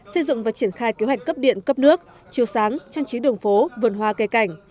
xây dựng và triển khai kế hoạch cấp điện cấp nước chiều sáng trang trí đường phố vườn hoa cây cảnh